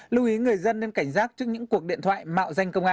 lưu ý người dân nên cảnh giác trước những cuộc điện thoại mạo danh công an